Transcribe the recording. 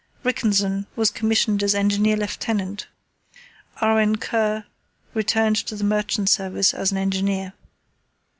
Rickenson was commissioned as Engineer Lieutenant, R.N. Kerr returned to the Merchant Service as an engineer.